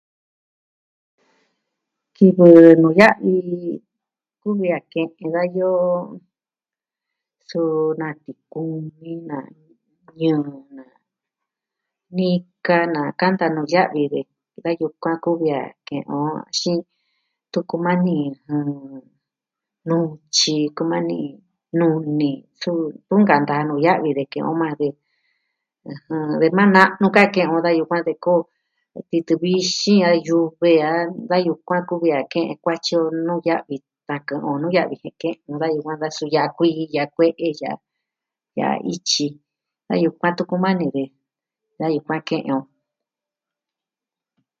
Kivɨ nuu ya'vi, kuvi a ke'en dayoo, suu na tikiumi, na ñɨɨ, nika na kanta nuu ya'vi da yukuan kuvi a ke'en o tuku maa ni, nutyi, kumani nuni, suu, tun nkanta nu ya'vi de ke'en o maa, de, ve maa na'nu ka ke'en o da yukuan de koo. titɨ vixin a yu kuee a kua'an kuvia ke'en kuatyi o nuu ya'vi. Tan kɨ'ɨn nu ya'vi jen ke'en nu da yukuan va ya'a kui, ya'a kue'e, ya'a ityi. da yukuan tuku maa ni ve, da yukuan ke'en o.